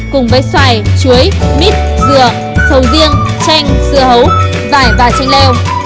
cùng với xoài chuối mít dừa sầu riêng chanh dưa hấu vải và chanh leo